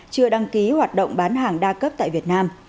chưa đăng ký hoạt động bán hàng đa cấp tại việt nam